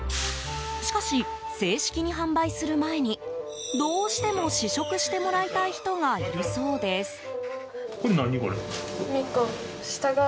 しかし、正式に販売する前にどうしても試食してもらいたい人がいるそうです。